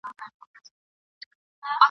په سلو کي سل توافق موجود وي ..